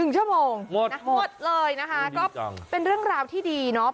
๑ชั่วโมงหมดนะหมดเลยนะคะก็เป็นเรื่องราวที่ดีเนาะ